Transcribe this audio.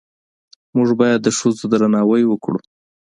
موږ باید د ښځو درناوی وکړو